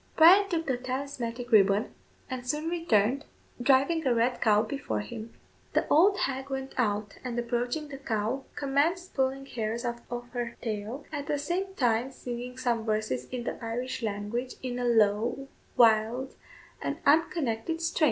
Bryan took the talismanic ribbon, and soon returned, driving a red cow before him. The old hag went out, and, approaching the cow, commenced pulling hairs out of her tail, at the same time singing some verses in the Irish language in a low, wild, and unconnected strain.